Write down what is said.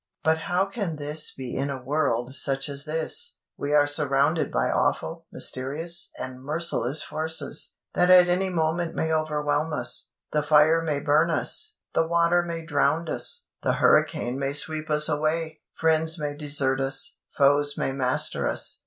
But how can this be in a world such as this? We are surrounded by awful, mysterious, and merciless forces, that at any moment may overwhelm us. The fire may burn us, the water may drown us, the hurricane may sweep us away, friends may desert us, foes may master us.